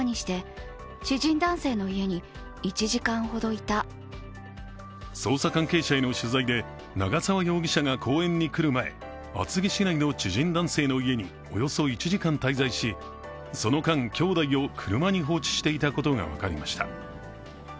しかし捜査関係者への取材で長沢容疑者が公園に来る前、厚木市内の知人男性の家におよそ１時間滞在しその間、きょうだいを車に放置していたことが分かりました。